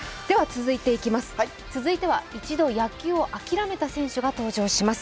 続いては一度、野球を諦めた選手が登場します。